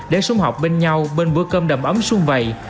để xuân học bên nhau bên bữa cơm đầm ấm xuân vầy